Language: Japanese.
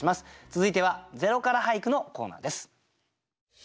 続いては「０から俳句」のコーナーです。